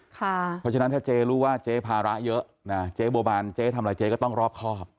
เพราะฉะนั้นถ้าเจ๊รู้ว่าเจ๊ภาระเยอะนะเจ๊บัวบานเจ๊ทำอะไรเจ๊ก็ต้องรอบครอบ